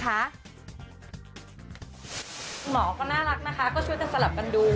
หมอก็น่ารักนะคะก็ช่วยกันสลับกันดู